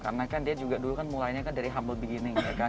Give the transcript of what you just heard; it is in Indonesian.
karena kan dia juga dulu kan mulainya kan dari humble beginning ya kan